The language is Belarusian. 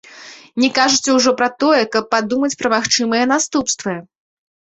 Не кажучы ўжо пра тое, каб падумаць пра магчымыя наступствы.